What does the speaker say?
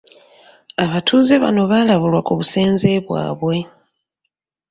Abatuuze bano baalabulwa ku busenze bwabwe.